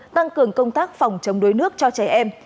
tăng cường công tác phòng chống đuối nước cho trẻ em